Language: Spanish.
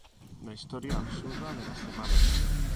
¡La historia absurda de la semana!